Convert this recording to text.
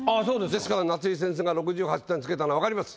ですから夏井先生が６８点付けたのが分かります。